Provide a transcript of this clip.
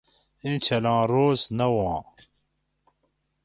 اینچھلہ روز نہ ہُوآں